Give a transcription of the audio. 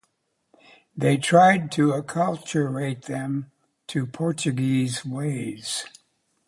They tried to acculturate them to Portuguese ways.